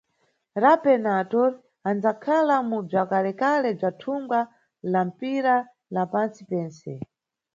Rapper na actor anʼdzakhala mu bzwakalekale bzwa thunga la mpira la pantsi pentse.